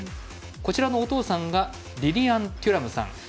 こちらのお父さんがリリアン・テュラムさん。